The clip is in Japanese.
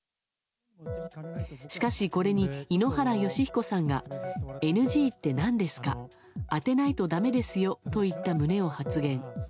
しかし、これに井ノ原快彦さんがＮＧって何ですか当てないとだめですよといった旨を発言。